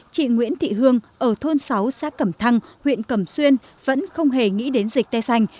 chị nguyễn thị hương ở thôn sáu xã cẩm thăng huyện cẩm xuyên vẫn không hề nghĩ đến dịch tê xanh